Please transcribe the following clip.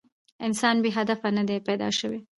انسان بې هدفه نه دی پيداشوی